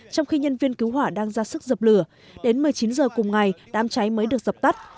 trong khi nhân viên cứu hỏa đang ra sức dập lửa đến một mươi chín h cùng ngày đám cháy mới được dập tắt